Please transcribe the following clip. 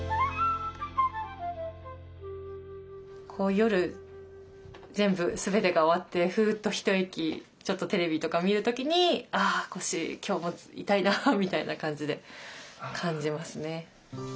夜全部全てが終わってフーッと一息ちょっとテレビとか見る時に「あ腰今日も痛いな」みたいな感じで感じますね。